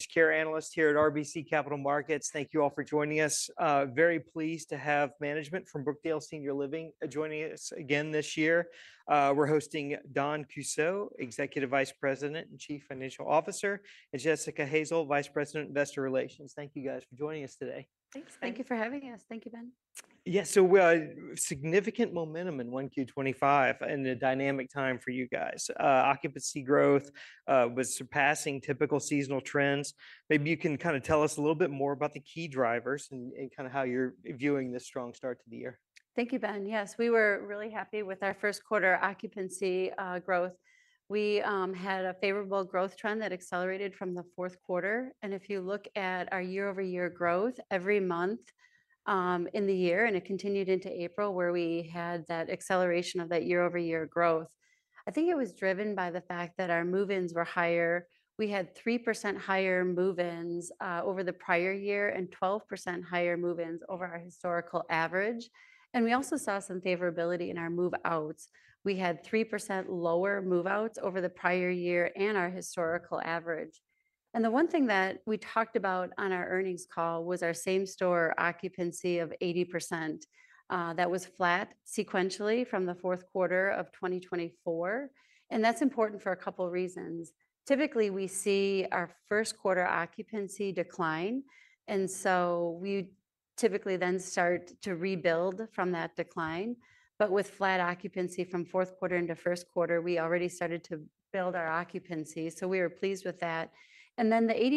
Secure Analyst here at RBC Capital Markets. Thank you all for joining us. Very pleased to have management from Brookdale Senior Living joining us again this year. We're hosting Don Cadorette, Executive Vice President and Chief Financial Officer, and Jessica Hazel, Vice President, Investor Relations. Thank you guys for joining us today. Thank you for having us. Thank you, Ben. Yeah, so significant momentum in 1Q25 and a dynamic time for you guys. Occupancy growth was surpassing typical seasonal trends. Maybe you can kind of tell us a little bit more about the key drivers and kind of how you're viewing this strong start to the year. Thank you, Ben. Yes, we were really happy with our first quarter occupancy growth. We had a favorable growth trend that accelerated from the fourth quarter. If you look at our year-over-year growth every month in the year, it continued into April, where we had that acceleration of that year-over-year growth. I think it was driven by the fact that our move-ins were higher. We had 3% higher move-ins over the prior year and 12% higher move-ins over our historical average. We also saw some favorability in our move-outs. We had 3% lower move-outs over the prior year and our historical average. The one thing that we talked about on our earnings call was our same-store occupancy of 80% that was flat sequentially from the fourth quarter of 2024. That is important for a couple of reasons. Typically, we see our first quarter occupancy decline. We typically then start to rebuild from that decline. With flat occupancy from fourth quarter into first quarter, we already started to build our occupancy. We were pleased with that. The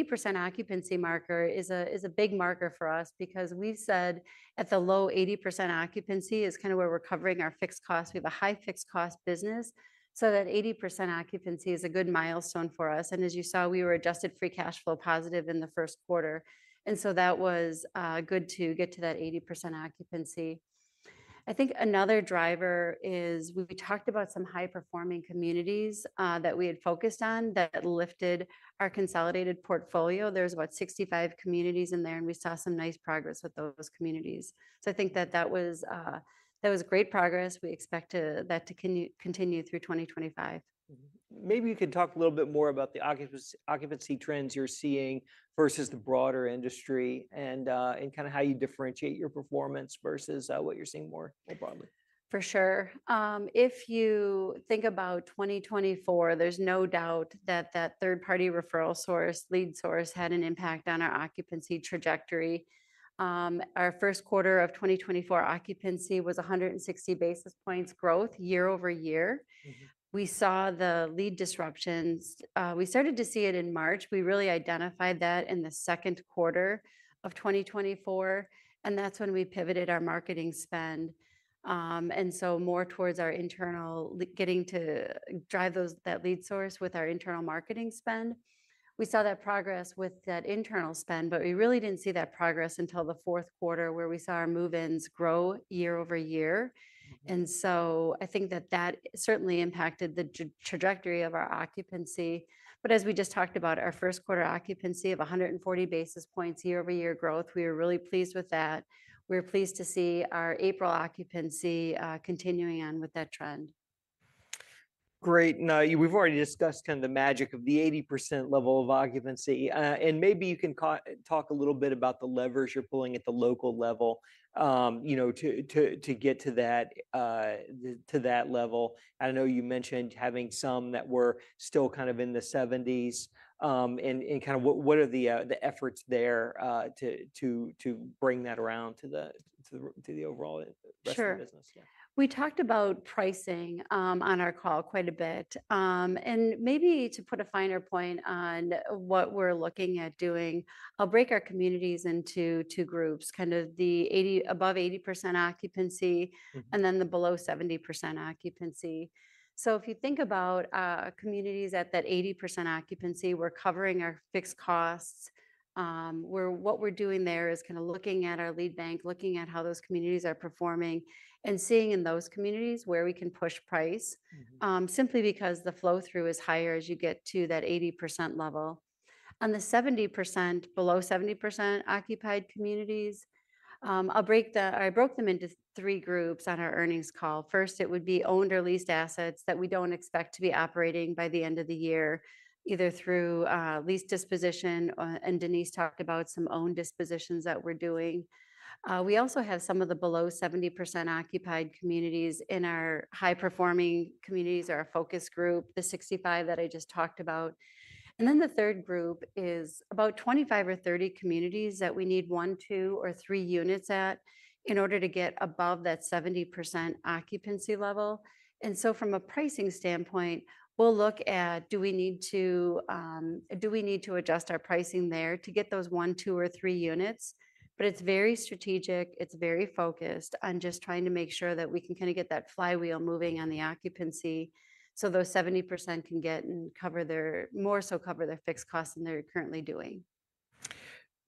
80% occupancy marker is a big marker for us because we said at the low 80% occupancy is kind of where we are covering our fixed costs. We have a high fixed cost business. That 80% occupancy is a good milestone for us. As you saw, we were adjusted free cash flow positive in the first quarter. That was good to get to that 80% occupancy. I think another driver is we talked about some high-performing communities that we had focused on that lifted our consolidated portfolio. There are about 65 communities in there, and we saw some nice progress with those communities. I think that was great progress. We expect that to continue through 2025. Maybe you can talk a little bit more about the occupancy trends you're seeing versus the broader industry and kind of how you differentiate your performance versus what you're seeing more broadly. For sure. If you think about 2024, there's no doubt that that third-party referral source, lead source, had an impact on our occupancy trajectory. Our first quarter of 2024 occupancy was 160 basis points growth year over year. We saw the lead disruptions. We started to see it in March. We really identified that in the second quarter of 2024. That is when we pivoted our marketing spend. More towards our internal, getting to drive that lead source with our internal marketing spend. We saw that progress with that internal spend, but we really did not see that progress until the fourth quarter where we saw our move-ins grow year over year. I think that that certainly impacted the trajectory of our occupancy. As we just talked about, our first quarter occupancy of 140 basis points year over year growth, we were really pleased with that. We were pleased to see our April occupancy continuing on with that trend. Great. Now, we've already discussed kind of the magic of the 80% level of occupancy. Maybe you can talk a little bit about the levers you're pulling at the local level to get to that level. I know you mentioned having some that were still kind of in the 70s. What are the efforts there to bring that around to the overall rest of the business? Sure. We talked about pricing on our call quite a bit. Maybe to put a finer point on what we're looking at doing, I'll break our communities into two groups, kind of the above 80% occupancy and then the below 70% occupancy. If you think about communities at that 80% occupancy, we're covering our fixed costs. What we're doing there is kind of looking at our lead bank, looking at how those communities are performing, and seeing in those communities where we can push price simply because the flow-through is higher as you get to that 80% level. On the below 70% occupied communities, I broke them into three groups on our earnings call. First, it would be owned or leased assets that we do not expect to be operating by the end of the year, either through lease disposition, and Denise talked about some owned dispositions that we are doing. We also have some of the below 70% occupied communities in our high-performing communities, our focus group, the 65 that I just talked about. The third group is about 25 or 30 communities that we need one, two, or three units at in order to get above that 70% occupancy level. From a pricing standpoint, we will look at do we need to adjust our pricing there to get those one, two, or three units. It is very strategic. It's very focused on just trying to make sure that we can kind of get that flywheel moving on the occupancy so those 70% can get and more so cover their fixed costs than they're currently doing.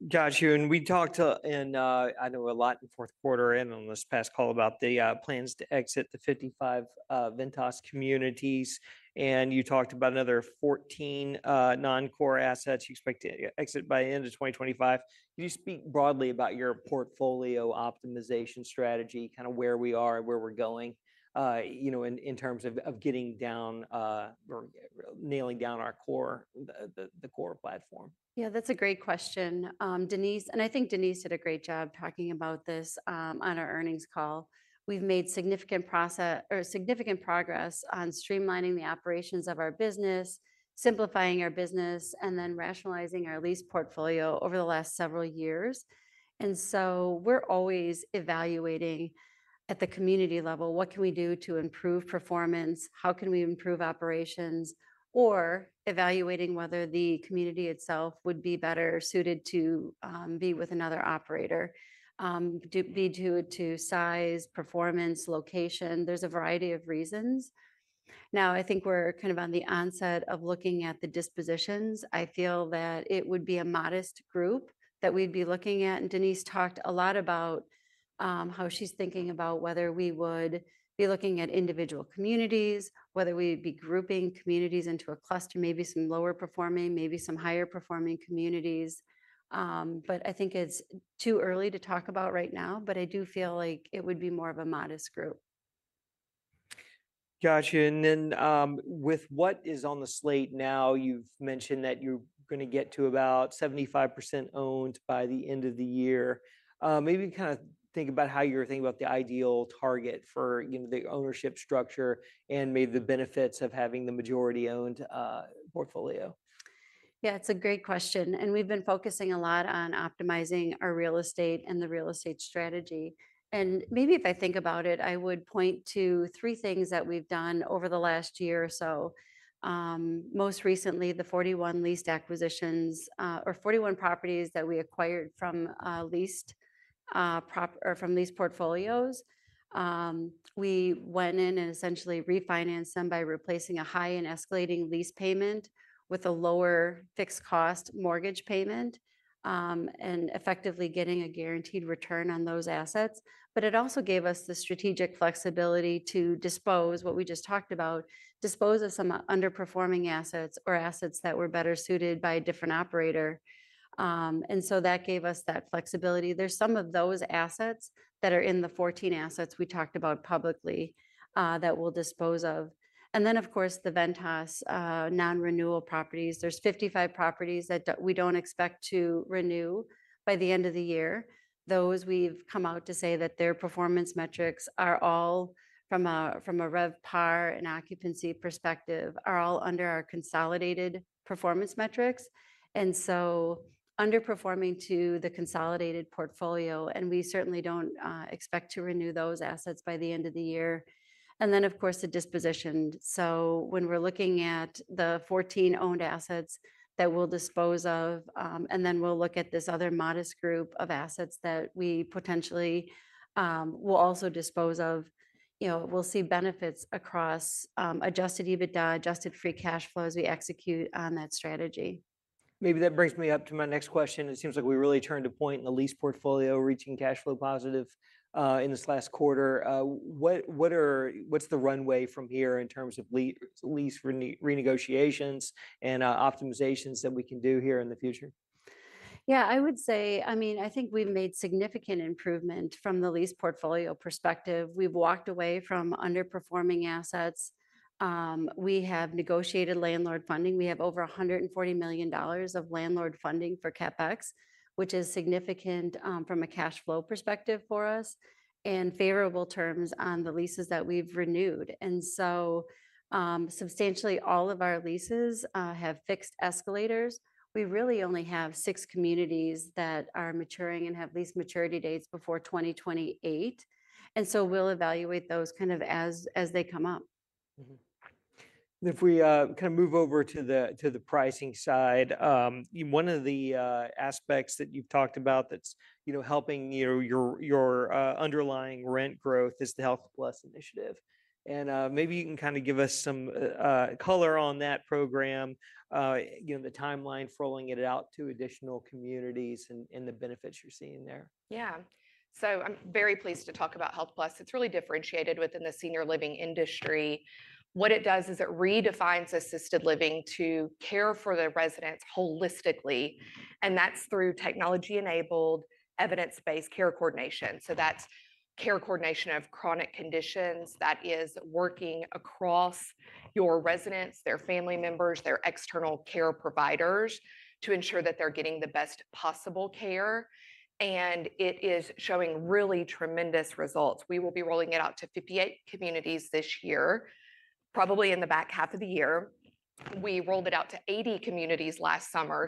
Josh Hewan, we talked in, I know, a lot in fourth quarter and on this past call about the plans to exit the 55 Ventas communities. And you talked about another 14 non-core assets you expect to exit by the end of 2025. Could you speak broadly about your portfolio optimization strategy, kind of where we are and where we're going in terms of nailing down our core, the core platform? Yeah, that's a great question, Denise. I think Denise did a great job talking about this on our earnings call. We've made significant progress on streamlining the operations of our business, simplifying our business, and then rationalizing our lease portfolio over the last several years. We're always evaluating at the community level what can we do to improve performance. How can we improve operations? We're evaluating whether the community itself would be better suited to be with another operator, be due to size, performance, location. There's a variety of reasons. I think we're kind of on the onset of looking at the dispositions. I feel that it would be a modest group that we'd be looking at. Denise talked a lot about how she's thinking about whether we would be looking at individual communities, whether we'd be grouping communities into a cluster, maybe some lower performing, maybe some higher performing communities. I think it's too early to talk about right now, but I do feel like it would be more of a modest group. Josh Hewan, then with what is on the slate now, you've mentioned that you're going to get to about 75% owned by the end of the year. Maybe kind of think about how you're thinking about the ideal target for the ownership structure and maybe the benefits of having the majority-owned portfolio. Yeah, it's a great question. We've been focusing a lot on optimizing our real estate and the real estate strategy. Maybe if I think about it, I would point to three things that we've done over the last year or so. Most recently, the 41 leased acquisitions or 41 properties that we acquired from leased portfolios. We went in and essentially refinanced them by replacing a high and escalating lease payment with a lower fixed cost mortgage payment and effectively getting a guaranteed return on those assets. It also gave us the strategic flexibility to dispose of what we just talked about, dispose of some underperforming assets or assets that were better suited by a different operator. That gave us that flexibility. There are some of those assets that are in the 14 assets we talked about publicly that we'll dispose of. Of course, the Ventos non-renewal properties. There are 55 properties that we do not expect to renew by the end of the year. We have come out to say that their performance metrics, from a RevPAR and occupancy perspective, are all under our consolidated performance metrics and are underperforming the consolidated portfolio. We certainly do not expect to renew those assets by the end of the year. The disposition, when we are looking at the 14 owned assets that we will dispose of, and then we will look at this other modest group of assets that we potentially will also dispose of, we will see benefits across adjusted EBITDA and adjusted free cash flow as we execute on that strategy. Maybe that brings me up to my next question. It seems like we really turned a point in the lease portfolio reaching cash flow positive in this last quarter. What's the runway from here in terms of lease renegotiations and optimizations that we can do here in the future? Yeah, I would say, I mean, I think we've made significant improvement from the lease portfolio perspective. We've walked away from underperforming assets. We have negotiated landlord funding. We have over $140 million of landlord funding for CapEx, which is significant from a cash flow perspective for us and favorable terms on the leases that we've renewed. Substantially all of our leases have fixed escalators. We really only have six communities that are maturing and have lease maturity dates before 2028. We will evaluate those kind of as they come up. If we kind of move over to the pricing side, one of the aspects that you've talked about that's helping your underlying rent growth is the Health Plus initiative. Maybe you can kind of give us some color on that program, the timeline for rolling it out to additional communities, and the benefits you're seeing there. Yeah. I'm very pleased to talk about Health Plus. It's really differentiated within the senior living industry. What it does is it redefines assisted living to care for the residents holistically. That's through technology-enabled evidence-based care coordination. That's care coordination of chronic conditions that is working across your residents, their family members, their external care providers to ensure that they're getting the best possible care. It is showing really tremendous results. We will be rolling it out to 58 communities this year, probably in the back half of the year. We rolled it out to 80 communities last summer.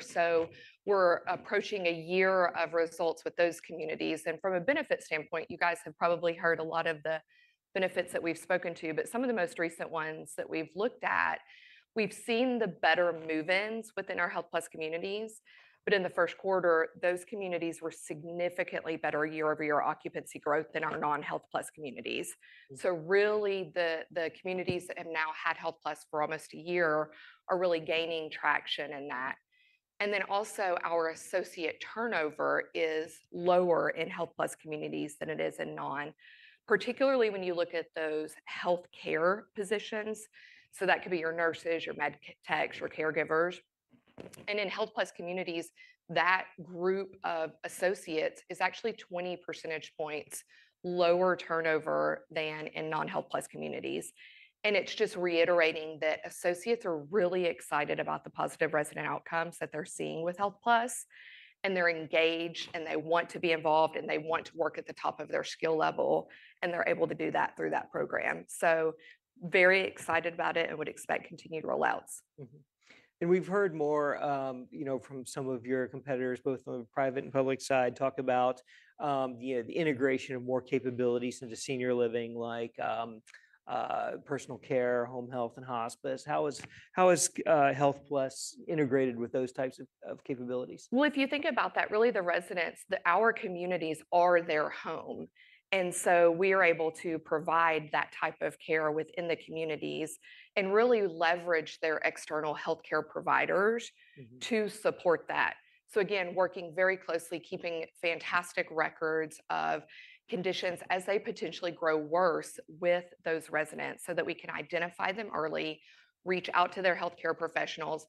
We're approaching a year of results with those communities. From a benefit standpoint, you guys have probably heard a lot of the benefits that we've spoken to. Some of the most recent ones that we've looked at, we've seen the better move-ins within our Health Plus communities. In the first quarter, those communities were significantly better year-over-year occupancy growth than our non-Health Plus communities. Really, the communities that have now had Health Plus for almost a year are really gaining traction in that. Also, our associate turnover is lower in Health Plus communities than it is in non, particularly when you look at those healthcare positions. That could be your nurses, your med techs, your caregivers. In Health Plus communities, that group of associates is actually 20 percentage points lower turnover than in non-Health Plus communities. It is just reiterating that associates are really excited about the positive resident outcomes that they're seeing with Health Plus. They are engaged, and they want to be involved, and they want to work at the top of their skill level, and they are able to do that through that program. Very excited about it and would expect continued rollouts. We've heard more from some of your competitors, both on the private and public side, talk about the integration of more capabilities into senior living like personal care, home health, and hospice. How is Health Plus integrated with those types of capabilities? If you think about that, really, the residents, our communities are their home. We are able to provide that type of care within the communities and really leverage their external healthcare providers to support that. Again, working very closely, keeping fantastic records of conditions as they potentially grow worse with those residents so that we can identify them early, reach out to their healthcare professionals.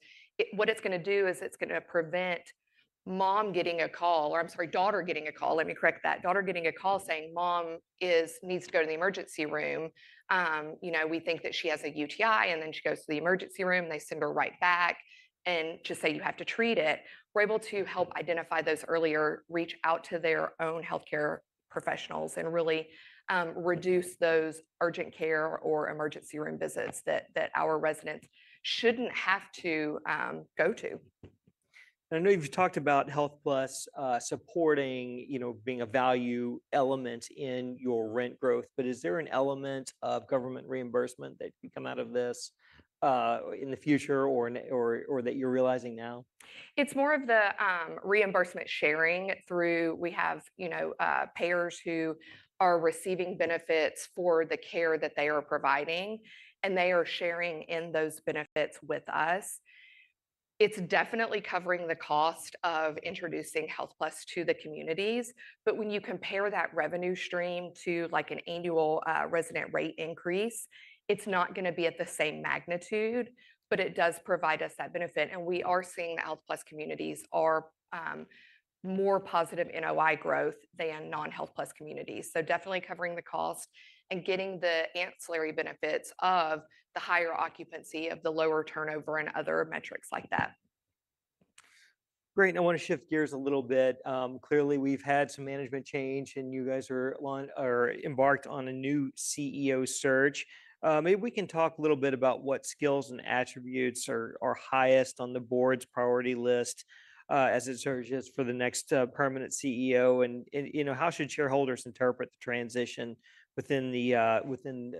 What it is going to do is it is going to prevent mom getting a call or, I am sorry, daughter getting a call. Let me correct that. Daughter getting a call saying, "Mom needs to go to the emergency room. We think that she has a UTI, and then she goes to the emergency room, they send her right back and just say, "You have to treat it." We're able to help identify those earlier, reach out to their own healthcare professionals, and really reduce those urgent care or emergency room visits that our residents shouldn't have to go to. I know you've talked about Health Plus supporting being a value element in your rent growth, but is there an element of government reimbursement that could come out of this in the future or that you're realizing now? It's more of the reimbursement sharing through we have payers who are receiving benefits for the care that they are providing, and they are sharing in those benefits with us. It's definitely covering the cost of introducing Health Plus to the communities. When you compare that revenue stream to an annual resident rate increase, it's not going to be at the same magnitude, but it does provide us that benefit. We are seeing the Health Plus communities are more positive NOI growth than non-Health Plus communities. Definitely covering the cost and getting the ancillary benefits of the higher occupancy, of the lower turnover, and other metrics like that. Great. I want to shift gears a little bit. Clearly, we've had some management change, and you guys are embarked on a new CEO search. Maybe we can talk a little bit about what skills and attributes are highest on the board's priority list as it surges for the next permanent CEO. How should shareholders interpret the transition within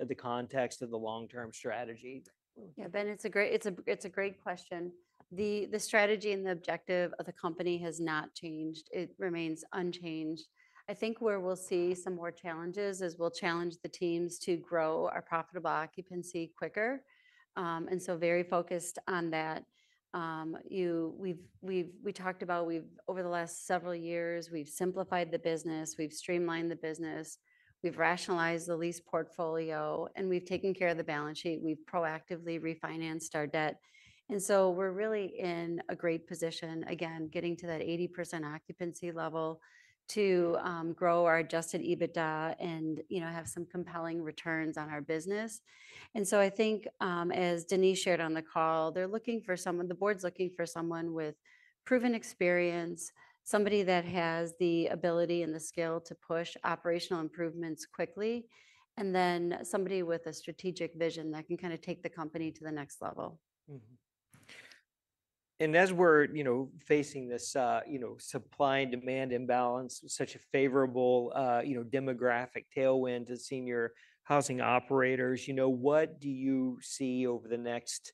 the context of the long-term strategy? Yeah, Ben, it's a great question. The strategy and the objective of the company has not changed. It remains unchanged. I think where we'll see some more challenges is we'll challenge the teams to grow our profitable occupancy quicker. I am very focused on that. We talked about over the last several years, we've simplified the business, we've streamlined the business, we've rationalized the lease portfolio, and we've taken care of the balance sheet. We've proactively refinanced our debt. We are really in a great position, again, getting to that 80% occupancy level to grow our adjusted EBITDA and have some compelling returns on our business. I think, as Denise shared on the call, they're looking for someone, the board's looking for someone with proven experience, somebody that has the ability and the skill to push operational improvements quickly, and then somebody with a strategic vision that can kind of take the company to the next level. As we're facing this supply and demand imbalance, such a favorable demographic tailwind to senior housing operators, what do you see over the next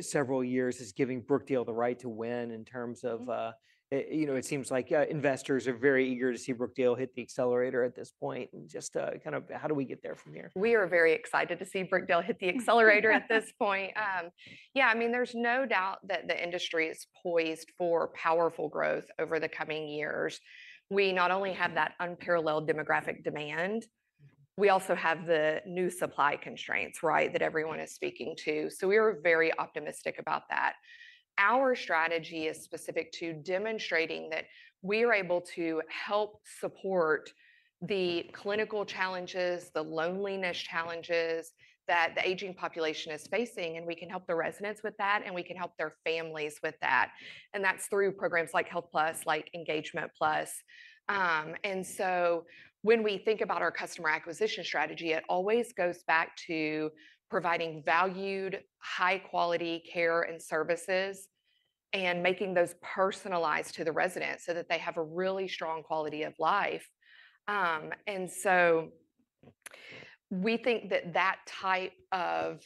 several years as giving Brookdale the right to win in terms of it seems like investors are very eager to see Brookdale hit the accelerator at this point. Just kind of how do we get there from here? We are very excited to see Brookdale hit the accelerator at this point. Yeah, I mean, there's no doubt that the industry is poised for powerful growth over the coming years. We not only have that unparalleled demographic demand, we also have the new supply constraints, right, that everyone is speaking to. We are very optimistic about that. Our strategy is specific to demonstrating that we are able to help support the clinical challenges, the loneliness challenges that the aging population is facing, and we can help the residents with that, and we can help their families with that. That is through programs like Health Plus, like Engagement Plus. When we think about our customer acquisition strategy, it always goes back to providing valued, high-quality care and services and making those personalized to the residents so that they have a really strong quality of life. We think that that type of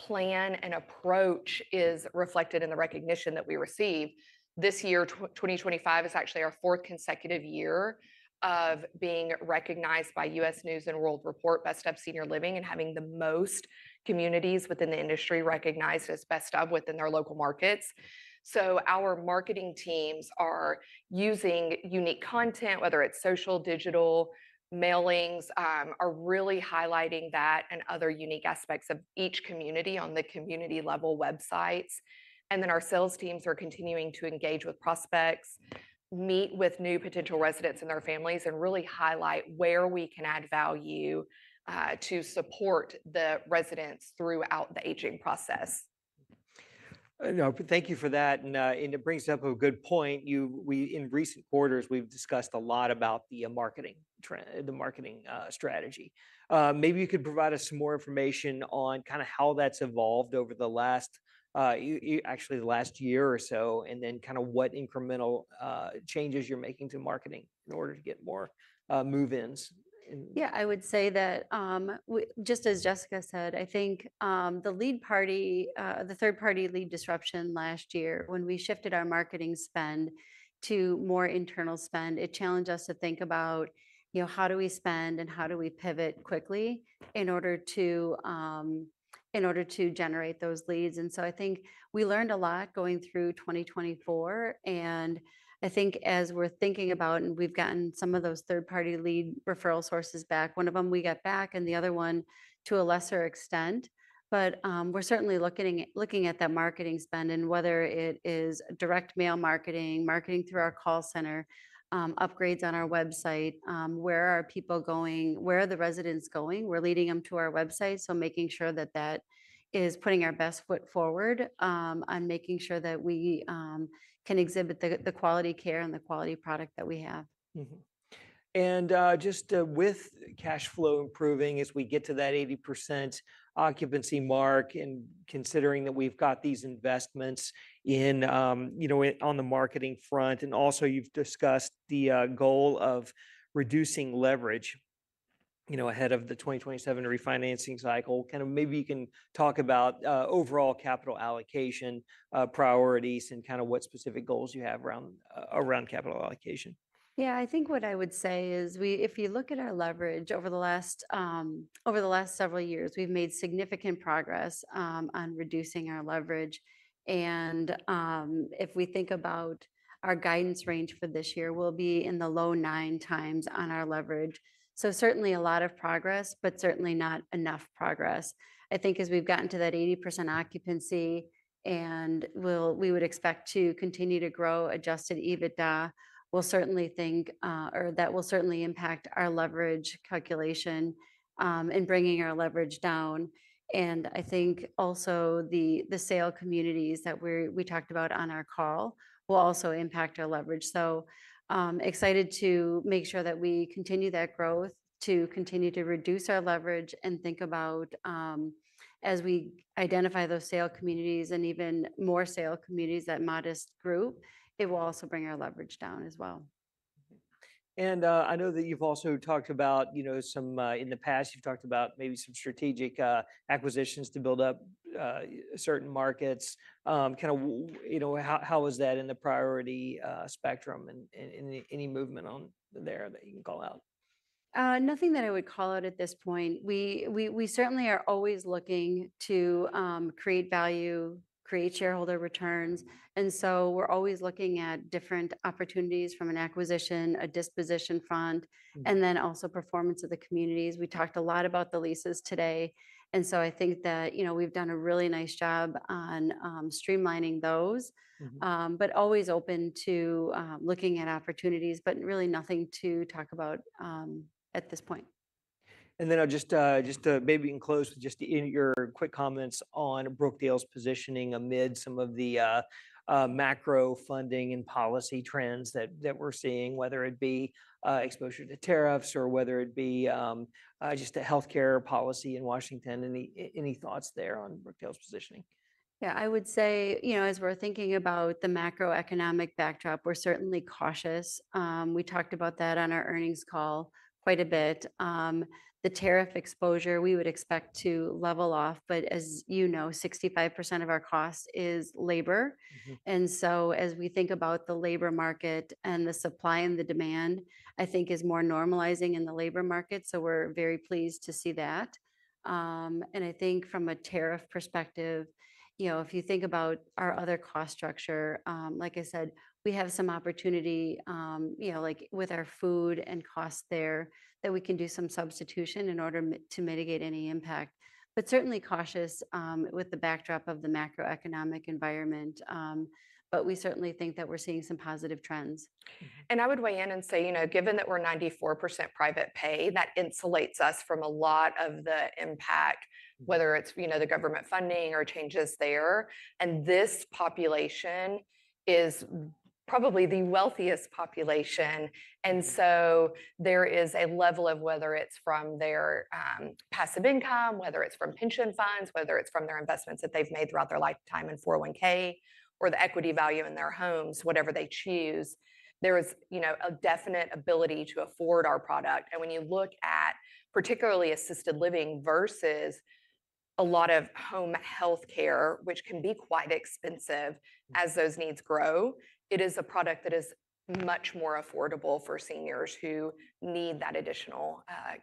plan and approach is reflected in the recognition that we receive. This year, 2025, is actually our fourth consecutive year of being recognized by U.S. News and World Report Best of Senior Living and having the most communities within the industry recognized as Best of within their local markets. Our marketing teams are using unique content, whether it's social, digital, mailings, are really highlighting that and other unique aspects of each community on the community-level websites. Our sales teams are continuing to engage with prospects, meet with new potential residents and their families, and really highlight where we can add value to support the residents throughout the aging process. Thank you for that. It brings up a good point. In recent quarters, we've discussed a lot about the marketing strategy. Maybe you could provide us some more information on kind of how that's evolved over the last, actually, the last year or so, and then kind of what incremental changes you're making to marketing in order to get more move-ins. Yeah, I would say that just as Jessica said, I think the third-party lead disruption last year, when we shifted our marketing spend to more internal spend, it challenged us to think about how do we spend and how do we pivot quickly in order to generate those leads. I think we learned a lot going through 2024. I think as we're thinking about and we've gotten some of those third-party lead referral sources back, one of them we got back and the other one to a lesser extent. We are certainly looking at that marketing spend and whether it is direct mail marketing, marketing through our call center, upgrades on our website, where are people going, where are the residents going. We're leading them to our website, so making sure that that is putting our best foot forward on making sure that we can exhibit the quality care and the quality product that we have. Just with cash flow improving as we get to that 80% occupancy mark and considering that we've got these investments on the marketing front, and also you've discussed the goal of reducing leverage ahead of the 2027 refinancing cycle, maybe you can talk about overall capital allocation priorities and what specific goals you have around capital allocation. Yeah, I think what I would say is if you look at our leverage over the last several years, we've made significant progress on reducing our leverage. If we think about our guidance range for this year, we'll be in the low nine times on our leverage. Certainly a lot of progress, but certainly not enough progress. I think as we've gotten to that 80% occupancy and we would expect to continue to grow adjusted EBITDA, we'll certainly think or that will certainly impact our leverage calculation and bringing our leverage down. I think also the sale communities that we talked about on our call will also impact our leverage. Excited to make sure that we continue that growth, to continue to reduce our leverage and think about as we identify those sale communities and even more sale communities, that modest group, it will also bring our leverage down as well. I know that you've also talked about in the past, you've talked about maybe some strategic acquisitions to build up certain markets. Kind of how is that in the priority spectrum and any movement there that you can call out? Nothing that I would call out at this point. We certainly are always looking to create value, create shareholder returns. We are always looking at different opportunities from an acquisition, a disposition fund, and then also performance of the communities. We talked a lot about the leases today. I think that we have done a really nice job on streamlining those, but always open to looking at opportunities, but really nothing to talk about at this point. Just maybe in close, just your quick comments on Brookdale's positioning amid some of the macro funding and policy trends that we're seeing, whether it be exposure to tariffs or whether it be just the healthcare policy in Washington. Any thoughts there on Brookdale's positioning? Yeah, I would say as we're thinking about the macroeconomic backdrop, we're certainly cautious. We talked about that on our earnings call quite a bit. The tariff exposure, we would expect to level off, but as you know, 65% of our cost is labor. As we think about the labor market and the supply and the demand, I think is more normalizing in the labor market. We are very pleased to see that. I think from a tariff perspective, if you think about our other cost structure, like I said, we have some opportunity with our food and costs there that we can do some substitution in order to mitigate any impact. Certainly cautious with the backdrop of the macroeconomic environment. We certainly think that we're seeing some positive trends. I would weigh in and say, given that we're 94% private pay, that insulates us from a lot of the impact, whether it's the government funding or changes there. This population is probably the wealthiest population. There is a level of whether it's from their passive income, whether it's from pension funds, whether it's from their investments that they've made throughout their lifetime in 401(k) or the equity value in their homes, whatever they choose, there is a definite ability to afford our product. When you look at particularly assisted living versus a lot of home healthcare, which can be quite expensive as those needs grow, it is a product that is much more affordable for seniors who need that additional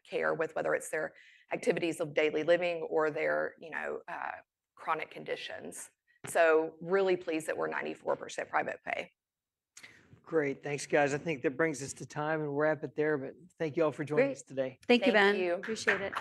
care with whether it's their activities of daily living or their chronic conditions. Really pleased that we're 94% private pay. Great. Thanks, guys. I think that brings us to time, and we'll wrap it there. Thank you all for joining us today. Thank you, Ben. Thank you. Appreciate it.